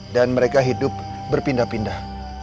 dan mereka hidup berpindah pindah